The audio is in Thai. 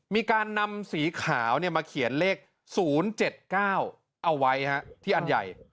มีการนำสีขาวมาเขียนเลข๐๗๙เอาไว้ที่อันใหญ่